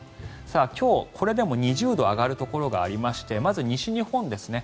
今日、これでも２０度上がるところがありましてまず西日本ですね。